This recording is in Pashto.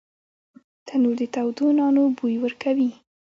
تنور د تودو نانو بوی ورکوي